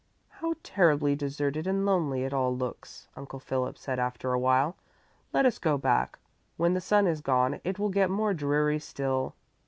"How terribly deserted and lonely it all looks," Uncle Philip said after a while. "Let us go back. When the sun is gone, it will get more dreary still."